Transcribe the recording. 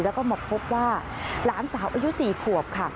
และหมดพบว่าหลานสาวอายุ๔ขวบ